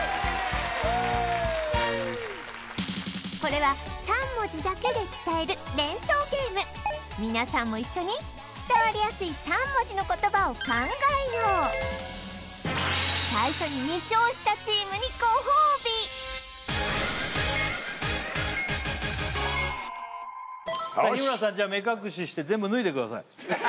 これは３文字だけで伝える連想ゲーム皆さんも一緒に伝わりやすい３文字の言葉を考えよう最初に２勝したチームにごほうび日村さんじゃあ目隠しして・